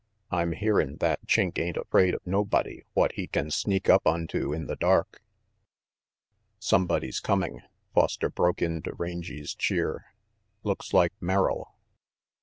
I'm hearin' that Chink ain't afraid of nobody what he can sneak up unto in the dark " Somebody coming," Foster broke into Rangy 's cheer. "Looks like Merrill."